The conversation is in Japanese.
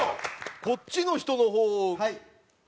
こっちの人の方より先